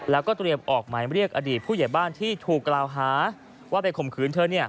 แล้วก็เตรียมออกหมายเรียกอดีตผู้ใหญ่บ้านที่ถูกกล่าวหาว่าไปข่มขืนเธอ